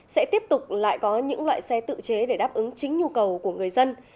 sẽ tiếp tục lại có những loại xe tự chế để đáp ứng chính nhu cầu của người dân